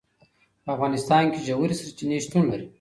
په افغانستان کې ژورې سرچینې شتون لري.